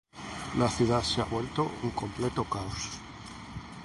La ciudad se ha vuelto un completo caos.